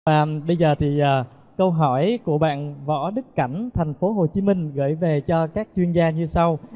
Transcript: và bây giờ thì câu hỏi của bạn võ đức cảnh thành phố hồ chí minh gửi về cho các chuyên gia như sau